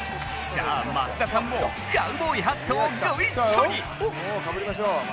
さあ、松田さんもカウボーイハットをご一緒に！